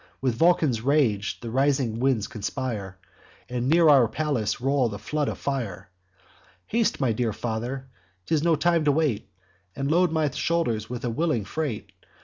With Vulcan's rage the rising winds conspire, And near our palace roll the flood of fire. 'Haste, my dear father, ('tis no time to wait,) And load my shoulders with a willing freight.